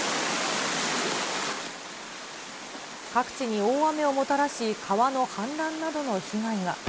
各地に大雨をもたらし、川の氾濫などの被害が。